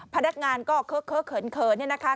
พนักงานก็เคอะเขินเนี่ยนะคะ